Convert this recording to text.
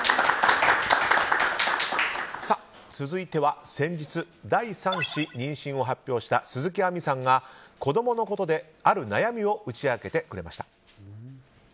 続いては先日、第３子妊娠を発表した鈴木亜美さんが、子供のことである悩みを打ち明けてくれました。